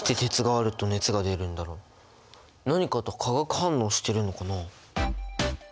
何かと化学反応してるのかな？